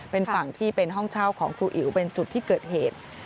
เป็นฝั่งที่เป็นห้องเช่าของครูอิ๋วเป็นจุดที่เกิดเหตุ